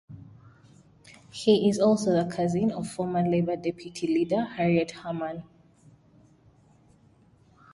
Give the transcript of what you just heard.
He is also the cousin of former Labour deputy leader, Harriet Harman.